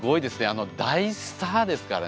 あの大スターですからね。